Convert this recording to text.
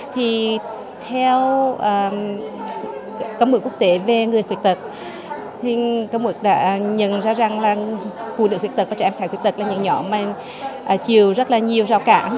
thì theo công ước quốc tế về người khuyết tật thì công ước đã nhận ra rằng là phụ nữ khuyết tật và trẻ em gái khuyết tật là những nhóm mà chịu rất là nhiều rào cản